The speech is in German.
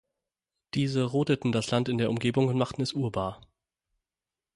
Diese rodeten das Land in der Umgebung und machten es urbar.